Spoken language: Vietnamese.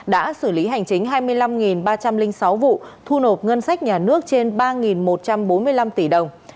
đã xử lý hành chính hai mươi năm ba trăm linh sáu vụ thu nộp ngân sách nhà nước trên ba một trăm bốn mươi năm tỷ đồng